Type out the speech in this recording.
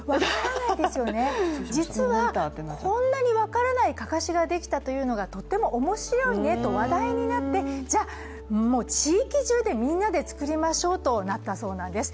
実はこんなに分からない、かかしができたというのがとても面白いねと話題になって、もう地域じゅうでみんなで作りましょうとなったそうです。